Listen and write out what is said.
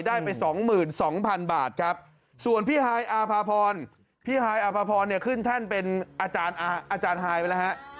ได้ไป๒๒๐๐๐บาทครับส่วนพี่ฮายอาภาพรพี่ฮายอภพรเนี่ยขึ้นแท่นเป็นอาจารย์ฮายไปแล้วฮะ